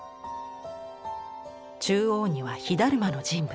中央には火だるまの人物。